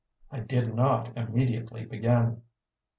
I did not immediately begin.